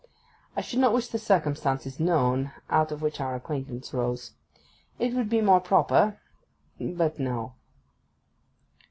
I should not wish the circumstances known out of which our acquaintance rose. It would be more proper—but no.